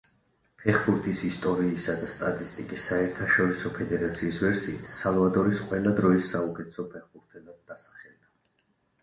ფეხბურთის ისტორიისა და სტატისტიკის საერთაშორისო ფედერაციის ვერსიით სალვადორის ყველა დროის საუკეთესო ფეხბურთელად დასახელდა.